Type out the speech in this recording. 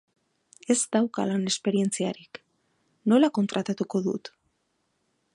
Ez dauka lan esperientziarik!, nola kontratatuko dut?